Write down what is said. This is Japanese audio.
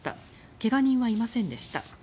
怪我人はいませんでした。